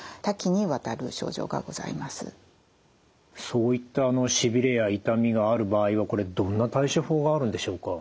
そういったしびれや痛みがある場合はこれどんな対処法があるんでしょうか。